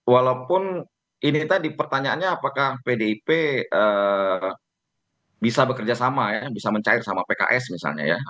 walaupun ini tadi pertanyaannya apakah pdip bisa bekerja sama ya bisa mencair sama pks misalnya ya